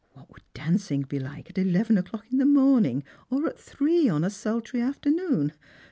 What would dancing be like at eleven o'clock in the morning, or at three on a sultry afternoon?